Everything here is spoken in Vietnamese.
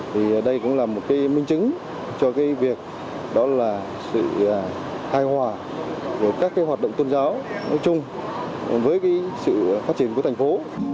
thì đây cũng là một cái minh chứng cho cái việc đó là sự hài hòa của các cái hoạt động tôn giáo nói chung với cái sự phát triển của thành phố